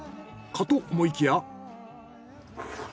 かと思いきや。